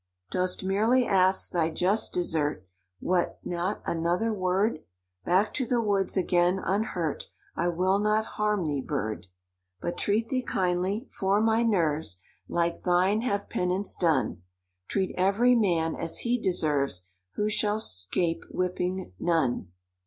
"Dost merely ask thy just desert? What, not another word?— Back to the woods again, unhurt— I will not harm thee, bird! "But treat thee kindly—for my nerves, Like thine, have penance done; Treat every man as he deserves— Who shall 'scape whipping?'—None.